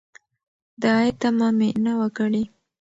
د عاید تمه مې نه وه کړې.